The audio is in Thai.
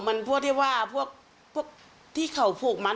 มันพวกที่ว่าพวกที่เขาผูกมัด